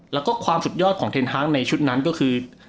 แล้วก็ความสุดยอดของเทนฮาร์กในชุดนั้นก็คือ